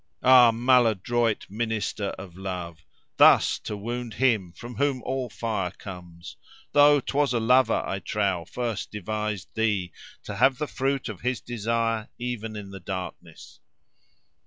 Ah! maladroit minister of love, thus to wound him from whom all fire comes; though 'twas a lover, I trow, first devised thee, to have the fruit of his desire even in the darkness!